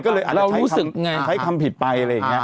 ก็เลยอาจจะรู้สึกใช้คำผิดไปอะไรอย่างนี้